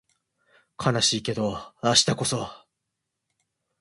悲しいけど明日こそ